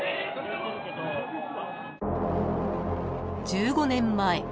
［１５年前。